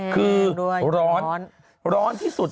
คือร้อนที่สุด